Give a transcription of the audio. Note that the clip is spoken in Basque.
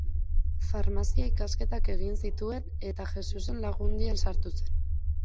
Farmazia ikasketak egin zituen eta Jesusen Lagundian sartu zen.